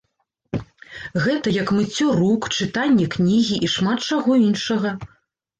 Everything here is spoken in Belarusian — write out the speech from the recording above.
Гэта як мыццё рук, чытанне кнігі і шмат чаго іншага.